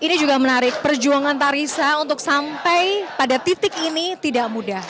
ini juga menarik perjuangan tarisa untuk sampai pada titik ini tidak mudah